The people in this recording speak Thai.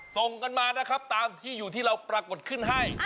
ส่งกันมานะครับตามที่อยู่ที่เราปรากฏขึ้นให้